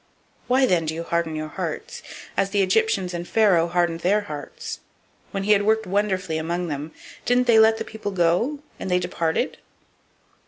006:006 Why then do you harden your hearts, as the Egyptians and Pharaoh hardened their hearts? When he had worked wonderfully among them, didn't they let the people go, and they departed?